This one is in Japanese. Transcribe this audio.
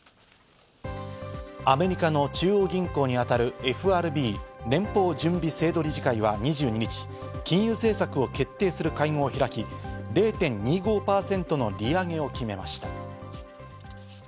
アメリカの中央銀行にあたるＦＲＢ＝連邦準備制度理事会は２２日、金融政策を決定する会合を開き、０．２５％の利上げを決めました。